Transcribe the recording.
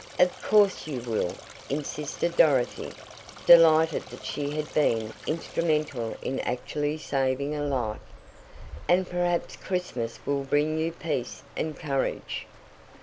"Of course you will," insisted Dorothy, delighted that she had been instrumental in actually saving a life. "And perhaps Christmas will bring you peace and courage."